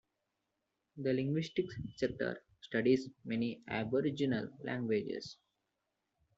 The linguistics sector studies many aboriginal languages.